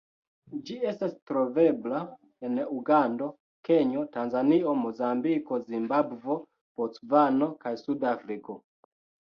Ĝi estas trovebla en Ugando, Kenjo, Tanzanio, Mozambiko, Zimbabvo, Bocvano kaj Sud-Afriko.